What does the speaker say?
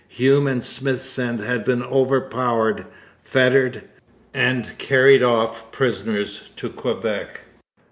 Hume and Smithsend had been overpowered, fettered, and carried off prisoners to Quebec.